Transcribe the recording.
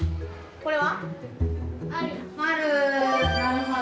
これは？